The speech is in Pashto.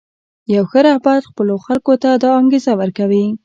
یو ښه رهبر خپلو خلکو ته دا انګېزه ورکوي.